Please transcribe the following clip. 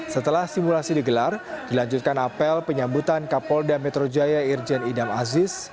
setelah simulasi digelar dilanjutkan apel penyambutan kapolda metro jaya irjen idam aziz